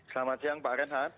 selamat siang pak herzaki